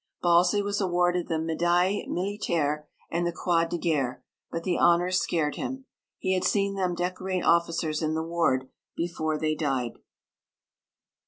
Balsley was awarded the Médaille Militaire and the Croix de Guerre, but the honours scared him. He had seen them decorate officers in the ward before they died.